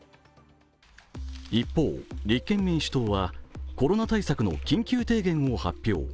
一方、立憲民主党はコロナ対策の緊急提言を発表。